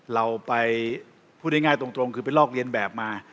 เราไปพูดง่ายตรงคือไปลอกเรียนแบบมา